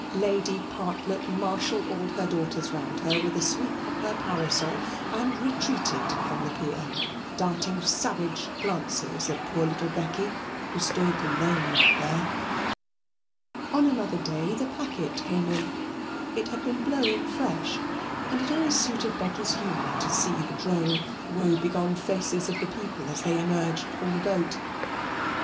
Lady Partlet marshalled all her daughters round her with a sweep of her parasol and retreated from the pier, darting savage glances at poor little Becky who stood alone there. On another day the packet came in. It had been blowing fresh, and it always suited Becky's humour to see the droll woe begone faces of the people as they emerged from the boat.